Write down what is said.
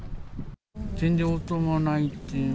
全然応答がないっていう。